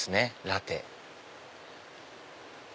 ラテ。